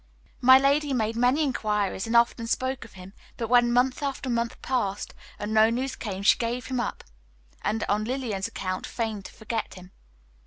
My lady made many inquiries and often spoke of him; but when month after month passed and no news came, she gave him up, and on Lillian's account feigned to forget him.